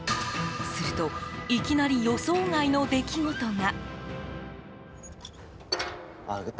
すると、いきなり予想外の出来事が。